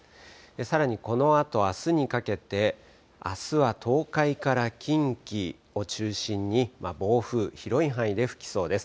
さらにこのあとあすにかけて、あすは東海から近畿を中心に、暴風、広い範囲で吹きそうです。